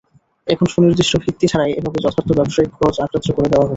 এখন সুনির্দিষ্ট ভিত্তি ছাড়াই এভাবে যথার্থ ব্যবসায়িক খরচ অগ্রাহ্য করে দেওয়া হচ্ছে।